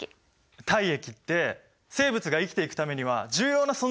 体液って生物が生きていくためには重要な存在だったんだな！